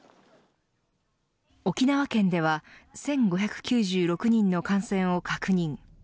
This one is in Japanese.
沖縄県では１５９６人の感染を確認。